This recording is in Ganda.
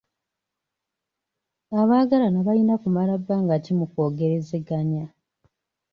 Abagalana balina kumala bbanga ki mu kwogerezeganya?